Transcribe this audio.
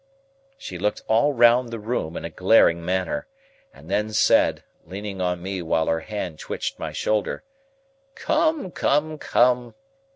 She looked all round the room in a glaring manner, and then said, leaning on me while her hand twitched my shoulder, "Come, come, come!